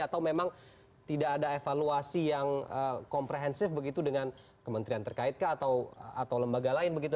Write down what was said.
atau memang tidak ada evaluasi yang komprehensif begitu dengan kementerian terkait kah atau lembaga lain begitu